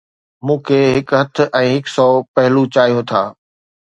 مون کي هڪ هٿ ۽ هڪ سؤ پهلو چاهيون ٿا